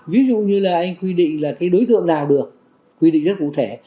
ví dụ như là anh quy định là cái đối tượng nào được quy định rất cụ thể